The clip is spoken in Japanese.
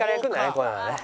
こういうのはね。